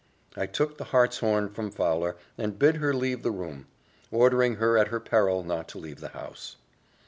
I took the hartshorn from Fowler, and bid her leave the room; ordering her, at her peril, not to leave the house.